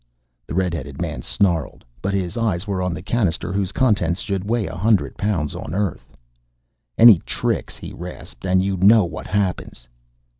The red headed man snarled. But his eyes were on the cannister whose contents should weigh a hundred pounds on Earth. "Any tricks," he rasped, "and you know what happens!"